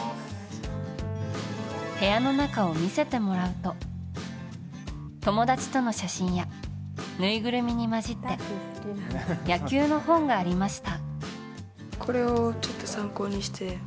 部屋の中を見せてもらうと友達との写真やぬいぐるみに交じって野球の本がありました。